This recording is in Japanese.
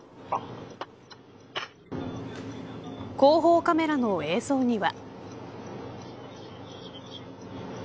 後方カメラの映像には。